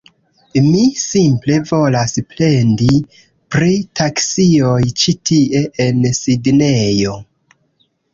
Mi simple volas plendi pri taksioj ĉi tie en Sidnejo.